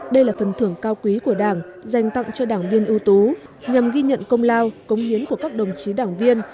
đây là phần thưởng cao quý của đảng dành tặng cho đảng viên ưu tú nhằm ghi nhận công lao công hiến của các đồng chí đảng viên